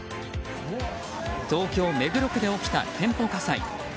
東京・目黒区で起きた店舗火災。